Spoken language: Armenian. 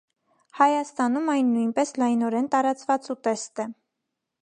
Հայաստանում այն նույնպես լայնորեն տարածված ուտեստ է։